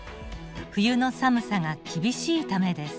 冬の寒さが厳しいためです。